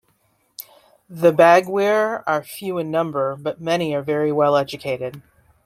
The Bagwere are few in number but many are very well educated.